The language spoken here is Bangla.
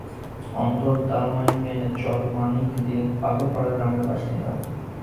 অন্তর তালমা ইউনিয়নের চর মানিকদী পাগলপাড়া গ্রামের বাসিন্দা।